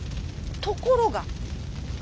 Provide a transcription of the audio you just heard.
ところが。